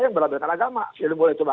yang berlabelan agama jadi boleh coba